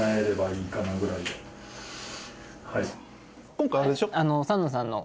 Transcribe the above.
今回あれでしょ？